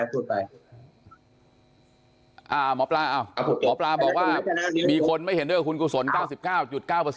พูดไปหมอปลาบอกว่ามีคนไม่เห็นด้วยคุณกุศล๙๙๙หรอ